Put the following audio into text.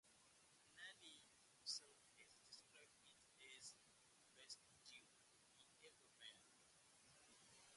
Nally himself has described it as "the best deal" he ever made.